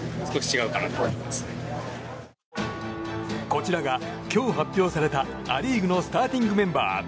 こちらが今日発表されたア・リーグのスターティングメンバー。